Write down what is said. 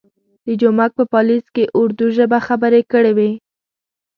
د جومک په پالیز کې اردو ژبه خبرې کړې وې.